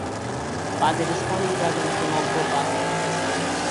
But then Responding Dragon could not go back up to the sky.